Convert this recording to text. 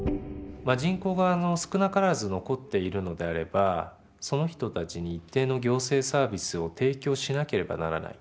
人口が少なからず残っているのであればその人たちに一定の行政サービスを提供しなければならない。